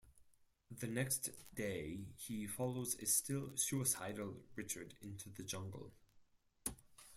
The next day, he follows a still suicidal Richard into the jungle.